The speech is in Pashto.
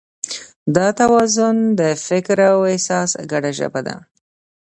دا توازن د فکر او احساس ګډه ژبه ده.